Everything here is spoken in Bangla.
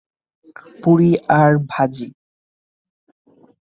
পুরি আর ভাজি।